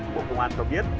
bộ công an có biết